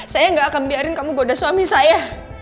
saya gak akan biarin kamu goda suami saya